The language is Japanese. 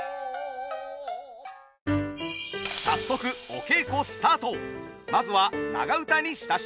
早速お稽古スタート。